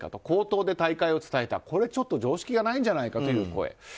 口頭で退会を伝えたのはこれはちょっと常識がないんじゃないかという声。